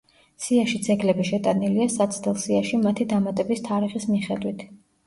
სიაში ძეგლები შეტანილია საცდელ სიაში მათი დამატების თარიღის მიხედვით.